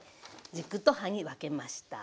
軸と葉に分けました。